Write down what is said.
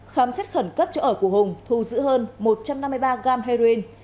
khám xét khẩn cấp chỗ ở của hùng thu giữ hơn một trăm năm mươi ba gram heroin